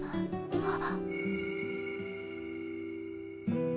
あっ。